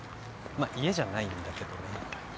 まっ家じゃないんだけどね。